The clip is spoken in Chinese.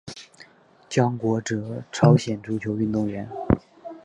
姜国哲朝鲜足球运动员。